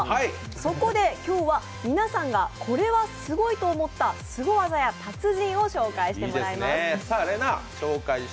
そこで今日は皆さんが、これはすごいと思ったすご技や達人を紹介してもらいます。